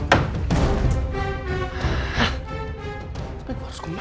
tapi gue harus kemana ya